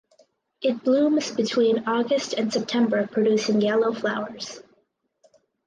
It blooms between August and September producing yellow flowers.